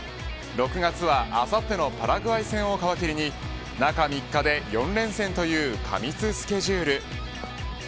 ６月は、あさってのパラグアイ戦を皮切りに中３日で４連戦という過密スケジュール。